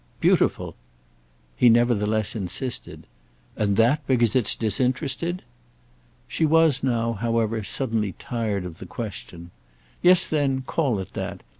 "Beautiful." He nevertheless insisted. "And that because it's disinterested?" She was now, however, suddenly tired of the question. "Yes then—call it that.